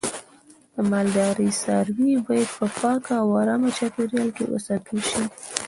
د مالدارۍ څاروی باید په پاکه او آرامه چاپیریال کې وساتل شي.